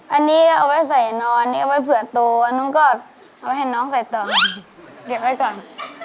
อันนี้ก็เอาไว้ใส่นอนนี้เอาไว้เผื่อโตอันนู้นก็เอาให้น้องใส่ต่อเก็บไว้ก่อน